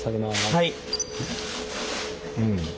はい。